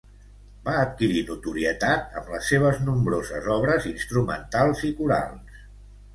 Va adquirir notorietat amb les seves nombroses obres instrumentals i corals.